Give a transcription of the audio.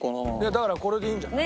だからこれでいいんじゃない？